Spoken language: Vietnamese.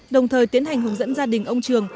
đồng thời tiến hành hướng dẫn gia đình ông trường